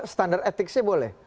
standar etiknya boleh